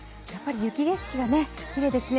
雪景色がきれいですね。